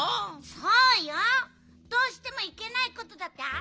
そうよ。どうしてもいけないことだってあるでしょ。